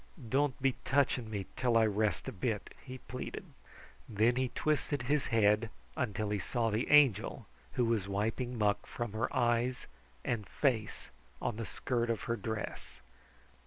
"Don't be touching me until I rest a bit," he pleaded. Then he twisted his head until he saw the Angel, who was wiping muck from her eyes and face on the skirt of her dress.